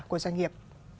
của doanh nghiệp